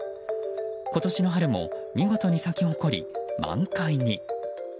今年の春も見事に咲き誇り満開に。